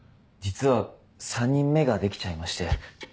実は３人目ができちゃいまして。